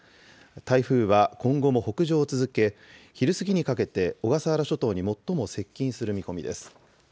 台風は今後も北上を続け、昼過ぎにかけて小笠原諸島に最も接近する見込みです。